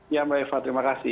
ya mbak eva terima kasih